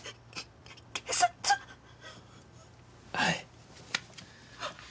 はい。